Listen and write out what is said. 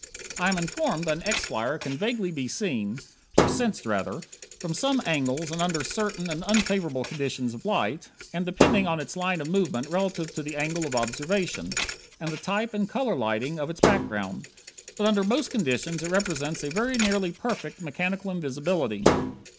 I am informed that an X flyer can vaguely be seen or sensed, rather from some angles and under certain and unfavorable conditions of light, and depending on its line of movement relative to the angle of observation, and the type and color lighting of its background. But under most conditions it represents a very nearly perfect mechanical invisibility.